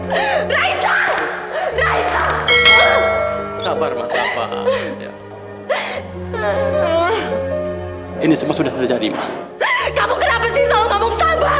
hai hai hai hai hai hai hai hai hai hai hai hai hai sabar sabar ini semua sudah terjadi ma kamu kenapa sih kamu sabar